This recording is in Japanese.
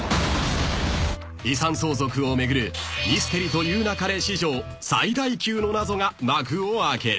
［遺産相続を巡る『ミステリと言う勿れ』史上最大級の謎が幕を開ける］